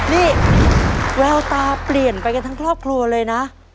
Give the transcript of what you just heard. นี่แววตาเปลี่ยนไปกันทั้งครอบครัวเลยนะ